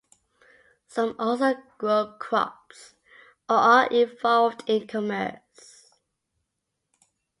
Some also grow crops or are involved in commerce.